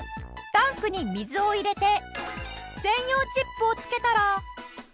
タンクに水を入れて専用チップを付けたら。